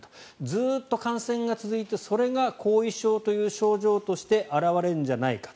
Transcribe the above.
ずっと感染が続いてそれが後遺症という症状として表れるんじゃないか。